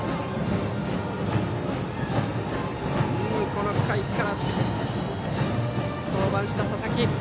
この回から登板した佐々木。